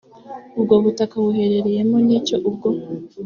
ubwo butaka buherereyemo n’icyo ubwo